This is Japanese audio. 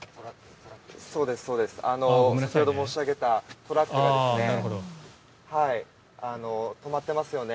先ほど申し上げたトラックが止まっていますよね。